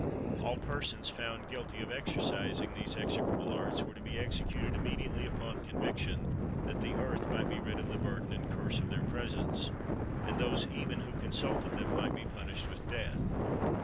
All persons found guilty of exercising these execrable arts were to be executed immediately upon conviction, that the earth might be rid of the burden and curse of their presence; and those even who consulted them might also be punished with death."